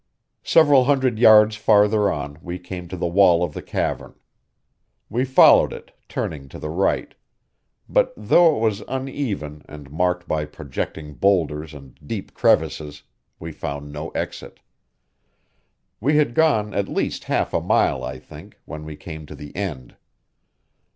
Several hundred yards farther on we came to the wall of the cavern. We followed it, turning to the right; but though it was uneven and marked by projecting boulders and deep crevices, we found no exit. We had gone at least half a mile, I think, when we came to the end.